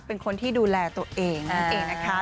เป็นคนที่ดูแลตัวเองนะคะ